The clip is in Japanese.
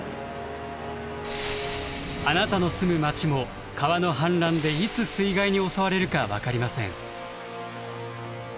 あなたの住む町も川の氾濫でいつ水害に襲われるか分かりません。